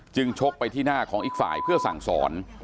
ชกไปที่หน้าของอีกฝ่ายเพื่อสั่งสอน